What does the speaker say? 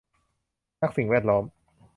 นักสิ่งแวดล้อม